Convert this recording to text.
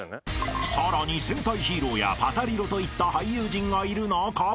［さらに戦隊ヒーローや『パタリロ！』といった俳優陣がいる中］